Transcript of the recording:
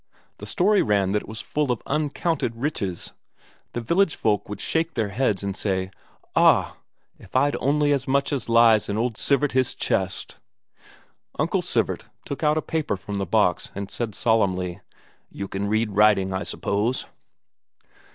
The story ran that it was full of uncounted riches; the village folk would shake their heads and say: "Ah! if I'd only as much as lies in old Sivert his chest!" Uncle Sivert took out a paper from the box and said solemnly: "You can read writing, I suppose?"